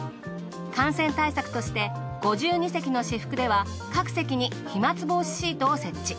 感染対策として「５２席の至福」では各席に飛沫防止シートを設置。